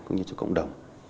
cũng như cho cộng đồng